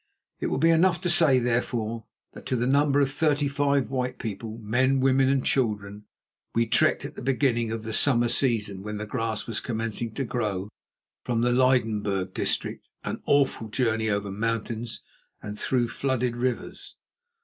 It will be enough to say, therefore, that to the number of thirty five white people, men, women and children, we trekked at the beginning of the summer season, when the grass was commencing to grow, from the Lydenburg district—an awful journey over mountains and through flooded rivers.